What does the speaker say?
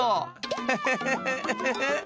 フフフフウフフ。